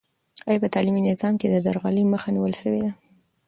آیا په تعلیمي نظام کې د درغلۍ مخه نیول سوې ده؟